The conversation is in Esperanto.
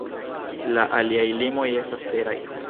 La aliaj limoj estas teraj.